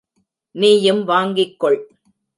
நீயும் வாங்கிக் கொள்.